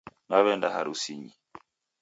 Naw'enda harusinyi